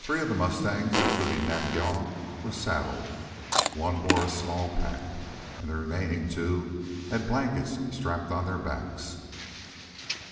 Three of the mustangs, including Nack yal, were saddled; one bore a small pack, and the remaining two had blankets strapped on their backs.